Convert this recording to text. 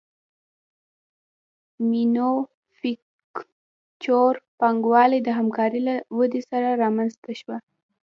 مینوفکچور پانګوالي د همکارۍ له ودې سره رامنځته شوه